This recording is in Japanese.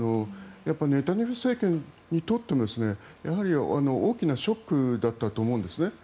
ネタニヤフ政権にとっても大きなショックだったと思うんですね。